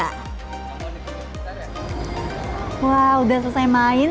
wah sudah selesai main